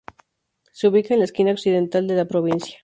Se ubica en la esquina occidental de la provincia.